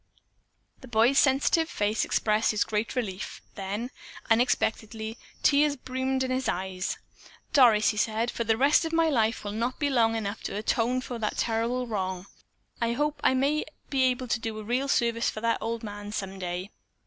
The boy's sensitive face expressed his great relief, then, unexpectedly, tears brimmed his eyes. "Doris," he said, "the rest of my life will not be long enough to atone for that terrible wrong. I hope I may be able to do a real service for that old man some day."